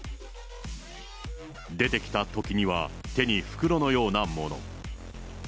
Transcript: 出てきたときには、手に袋のようなもの。